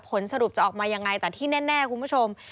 ผลสรุปจะออกมายังไงแต่ที่แน่คุณผู้ชม